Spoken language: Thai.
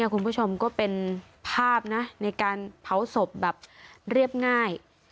คุณผู้ชมก็เป็นภาพนะในการเผาศพแบบเรียบง่าย